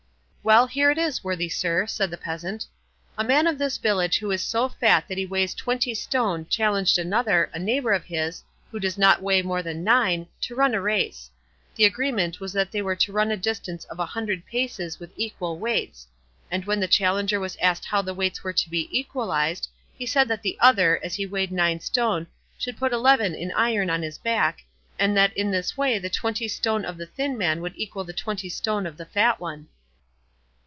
"Well, here it is, worthy sir," said the peasant; "a man of this village who is so fat that he weighs twenty stone challenged another, a neighbour of his, who does not weigh more than nine, to run a race. The agreement was that they were to run a distance of a hundred paces with equal weights; and when the challenger was asked how the weights were to be equalised he said that the other, as he weighed nine stone, should put eleven in iron on his back, and that in this way the twenty stone of the thin man would equal the twenty stone of the fat one."